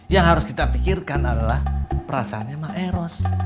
yang harus kita pikirkan adalah perasaan mak eros